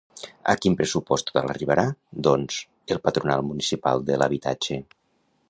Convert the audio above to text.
A quin pressupost total arribarà, doncs, el Patronat Municipal de l'Habitatge?